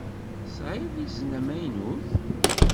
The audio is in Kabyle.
Tesɛiḍ izen amaynut.